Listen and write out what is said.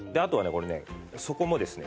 これね底もですね